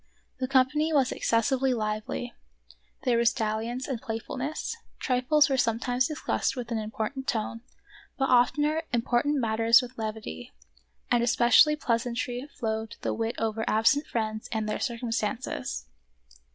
The company was excessively lively; there was dalliance and playfulness ; trifles were sometimes discussed with an important tone, but oftener important matters with levity ; and especially pleasantly flowed the wit over absent friends and their circumstances.